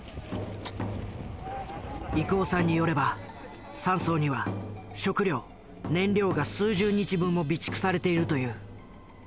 郁男さんによれば山荘には食料燃料が数十日分も備蓄されているという。